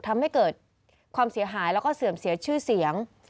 ทำให้เกิดความเสียหายแล้วก็เสื่อมเสียชื่อเสียง